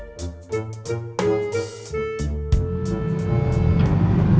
bukan yang terlihat